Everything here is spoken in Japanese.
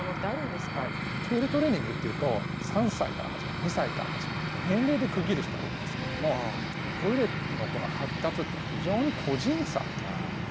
トイレトレーニングっていうと３歳から始める２歳から始めるって年齢で区切る人多いんですけれどもトイレの発達というのは非常に個人差が大きいんですよね。